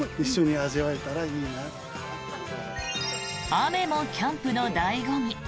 雨もキャンプの醍醐味。